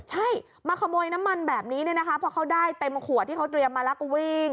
ใช่มาขโมยน้ำมันแบบนี้เนี่ยนะคะเพราะเขาได้เต็มขวดที่เขาเตรียมมาแล้วก็วิ่ง